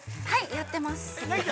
◆やってます。